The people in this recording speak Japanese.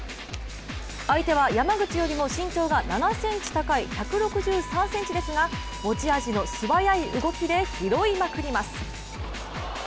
相手は山口よりも身長が７ｃｍ高い１６３ｃｍですが持ち味の素早い動きで拾いまくります。